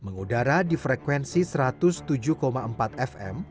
mengudara di frekuensi satu ratus tujuh empat fm